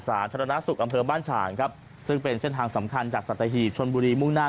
สาธารณสุขอำเภอบ้านฉางครับซึ่งเป็นเส้นทางสำคัญจากสัตหีบชนบุรีมุ่งหน้า